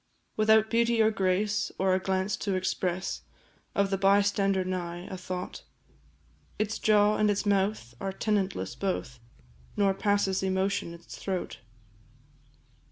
Without beauty or grace, or a glance to express Of the bystander nigh, a thought; Its jaw and its mouth are tenantless both, Nor passes emotion its throat.